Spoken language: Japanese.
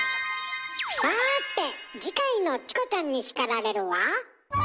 さて次回の「チコちゃんに叱られる」は？